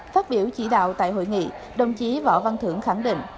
phát biểu chỉ đạo tại hội nghị đồng chí võ văn thưởng khẳng định